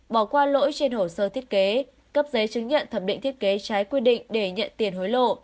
bỏ qua lỗi trên hồ sơ thiết kế cấp giấy chứng nhận thẩm định thiết kế trái quy định để nhận tiền hối lộ